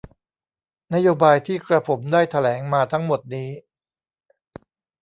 นโยบายที่กระผมได้แถลงมาทั้งหมดนี้